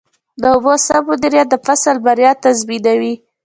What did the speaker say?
د اوبو سم مدیریت د فصل بریا تضمینوي.